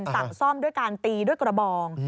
สั่งซ่อมด้วยการตีด้วยกระบอง